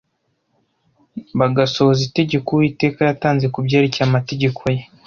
bagasohoza itegeko Uwiteka yatanze ku byerekeye amategeko ye